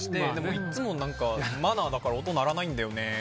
いつもマナーだから音が鳴らないんだよねって。